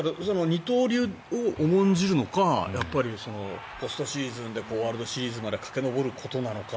二刀流を重んじるのか、ポストシーズンでワールドシリーズまで駆け上ることなのか。